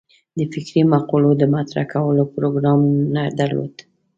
د فکري مقولو د مطرح کولو پروګرام نه درلود.